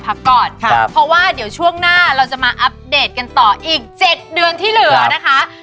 พักก่อนค่ะเพราะว่าเดี๋ยวช่วงหน้าเราจะมาอัปเดตกันต่ออีก๗เดือนที่เหลือนะคะ